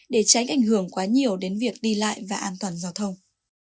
để tránh ảnh hưởng quá nhiều đến việc đi lại và an toàn giao thông